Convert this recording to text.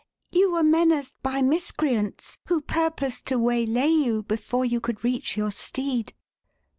"You were menaced by miscreants, who purposed to waylay you before you could reach your steed."